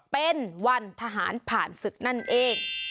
เป็นวันทหารผ่านศึกนั่นเอง